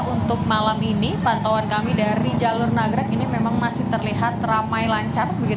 untuk malam ini pantauan kami dari jalur nagrek ini memang masih terlihat ramai lancar